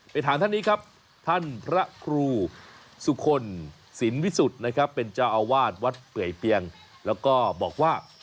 ถามท่านนี้ครับท่านพระครูสุคลสินวิสุทธิ์นะครับเป็นเจ้าอาวาสวัดเปื่อยเปียงแล้วก็บอกว่า